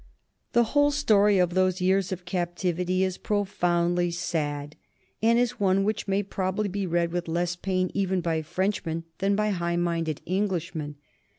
The whole story of those years of captivity is profoundly sad, and is one which may probably be read with less pain even by Frenchmen than by high minded Englishmen.